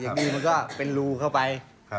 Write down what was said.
อย่างนี้มันก็เป็นรูเข้าไป